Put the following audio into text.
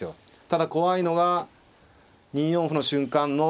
ただ怖いのが２四歩の瞬間の。